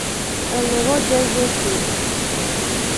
El nebot ja és vestit.